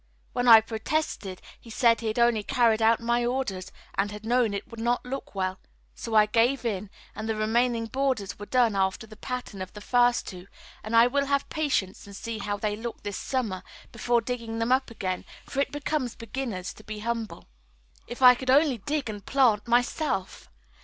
When I protested, he said he had only carried out my orders and had known it would not look well; so I gave in, and the remaining borders were done after the pattern of the first two, and I will have patience and see how they look this summer, before digging them up again; for it becomes beginners to be humble. If I could only dig and plant myself!